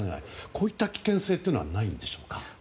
こういった危険性はないんでしょうか？